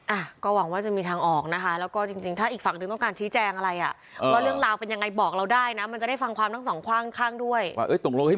อ่ะก็หวังว่าจะมีทางออกนะคะแล้วก็จริงจริงถ้าอีกฝั่งหนึ่งต้องการ